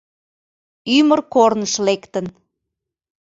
Ӱмыр корныш лектын